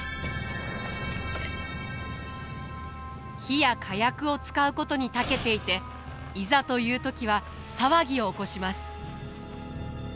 火や火薬を使うことにたけていていざという時は騒ぎを起こします。